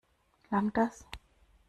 Langt das?